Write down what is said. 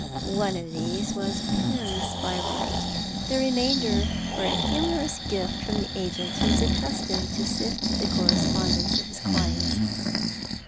One of these was Pym's by right; the remainder were a humourous gift from the agent who was accustomed to sift the correspondence of his clients.